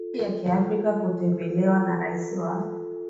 nchi ya Kiafrika kutembelewa na Rais wa